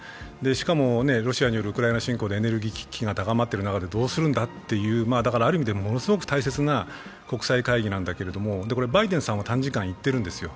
しかもロシアによるウクライナ侵攻でエネルギー危機が高まっている中でどうするんだという、ある意味でものすごく大切な国際会議なんだけれども、バイデンさんは短時間行っているんですよ。